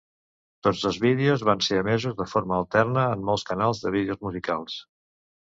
Tots dos vídeos van ser emesos de forma alterna en molts canals de vídeos musicals.